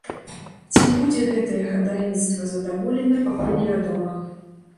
Ці будзе гэтае хадайніцтва задаволена, пакуль невядома.